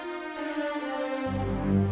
aku mau ke rumah